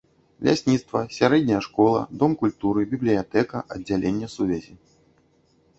Лясніцтва, сярэдняя школа, дом культуры, бібліятэка, аддзяленне сувязі.